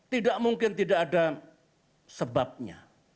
tidak mungkin tidak ada sebabnya